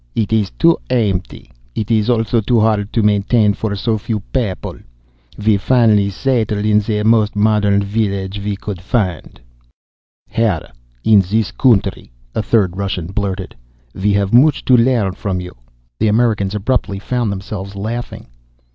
It is too empty. It is also too hard to maintain for so few people. We finally settled in the most modern village we could find." "Here in this country," a third Russian blurted. "We have much to learn from you." The Americans abruptly found themselves laughing.